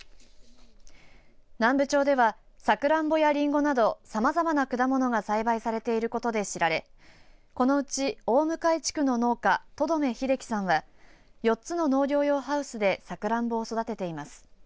南部町ではさくらんぼやりんごなどさまざまな果物が栽培されていることで知られこのうち大向地区の農家留目秀樹さんは４つの農業用ハウスでさくらんぼを育てています。